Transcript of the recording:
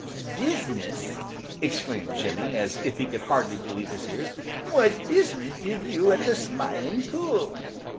"Business!" exclaimed Jimmy as if he could hardly believe his ears. "What business have you at the Smiling Pool?"